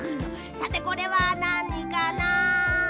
さてこれはなにかな？